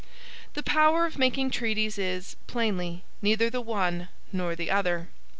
The power of making treaties is, plainly, neither the one nor the other.